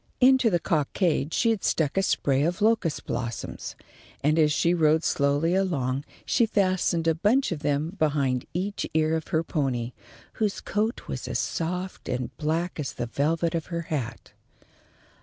Into the cockade she had stuck a spray of locust blossoms, and as she rode slowly along she fastened a bunch of them behind each ear of her pony, whose coat was as soft and black as the velvet of her hat.